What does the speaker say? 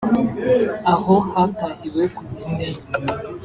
aho hatahiwe ku Gisenyi